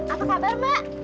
apa kabar mbak